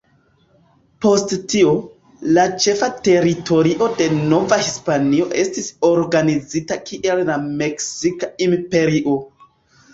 Post tio, la ĉefa teritorio de Nova Hispanio estis organizita kiel la Meksika Imperio.